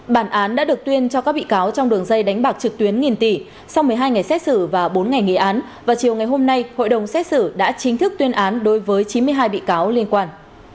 bản án đã được tuyên cho các bị cáo trong đường dây đánh bạc trực tuyến nghìn tỷ sau một mươi hai ngày xét xử và bốn ngày nghị án vào chiều ngày hôm nay hội đồng xét xử đã chính thức tuyên án đối với chín mươi hai bị cáo liên quan